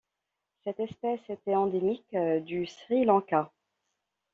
Cette espèce était endémique du Sri Lanka.